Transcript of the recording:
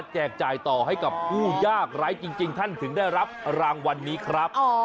จ่ายต่อให้กับผู้ยากไร้จริงท่านถึงได้รับรางวัลนี้ครับ